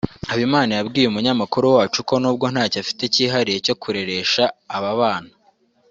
Habimana yabwiye Umunyamakuru wacu ko nubwo ntacyo afite kihariye cyo kureresha aba bana